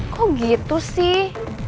kok gitu sih